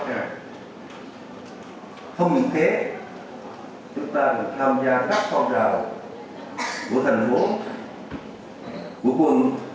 không những thế chúng ta được tham gia các phong trào của thành phố của quân